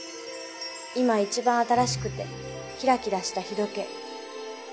今一番新しくてキラキラした日時計。